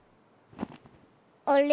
あれ？